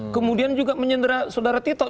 kemudian juga menyendera saudara titok